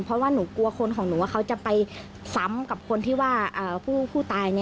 เพราะว่าหนูกลัวคนของหนูว่าเขาจะไปซ้ำกับคนที่ว่าผู้ตาย